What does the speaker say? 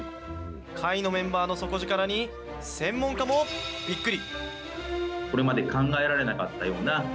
会のメンバーの底力に、専門家もびっくり。